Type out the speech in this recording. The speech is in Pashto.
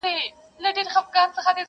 ځناور يې له لكيو بېرېدله٫